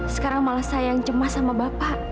sekarang malah saya yang cemas sama bapak